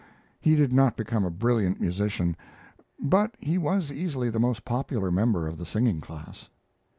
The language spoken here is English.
He did not become a brilliant musician, but he was easily the most popular member of the singing class.